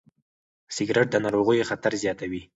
سګرېټ د ناروغیو خطر زیاتوي.